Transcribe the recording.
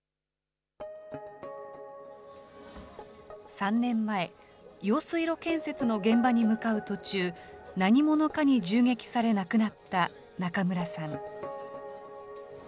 ３年前、用水路建設の現場に向かう途中、何者かに銃撃され亡くなった中村さん。